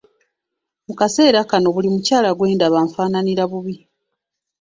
Mu kaseera kano buli mukyala gw’endaba anfaananira bubi.